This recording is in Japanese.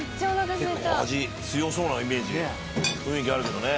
結構味強そうなイメージ雰囲気あるけどね。